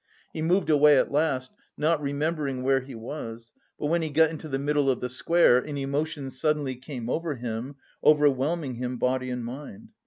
He moved away at last, not remembering where he was; but when he got into the middle of the square an emotion suddenly came over him, overwhelming him body and mind.